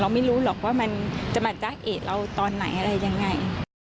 ไม่รู้หรอกว่ามันจะมาจ้างเอกเราตอนไหนอะไรยังไง